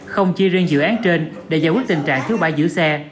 không chi riêng dự án trên để giải quyết tình trạng thiếu bãi giữ xe